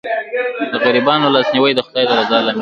د غریبانو لاسنیوی د خدای د رضا لامل دی.